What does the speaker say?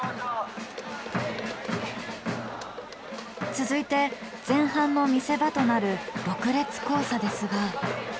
続いて前半の見せ場となる６列交差ですが。